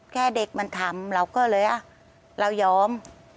แค่เด็กมันทำเราก็เลยเรายอม